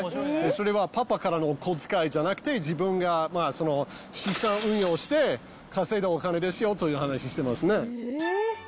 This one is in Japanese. それはパパからのお小遣いじゃなくて、自分が資産運用して稼いだお金ですよという話してますね。